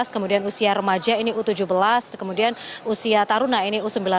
kemudian usia remaja ini u tujuh belas kemudian usia taruna ini u sembilan belas